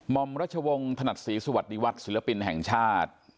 อมรัชวงศ์ถนัดศรีสวัสดีวัฒนศิลปินแห่งชาติ